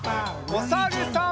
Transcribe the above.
おさるさん。